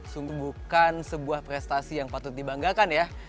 sungguh bukan sebuah prestasi yang patut dibanggakan ya